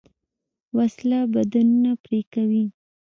وسله بدنونه پرې کوي